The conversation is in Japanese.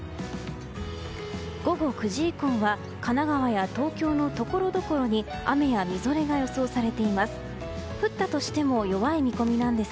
午後９時以降は神奈川や東京のところどころに雨やみぞれが予想されています。